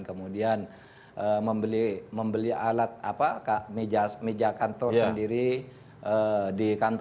kemudian membeli alat meja kantor sendiri